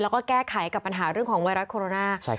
แล้วก็แก้ไขกับปัญหาเรื่องของไวรัสโคโรนา